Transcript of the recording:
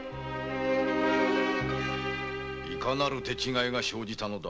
いかなる手違いが生じたのだ？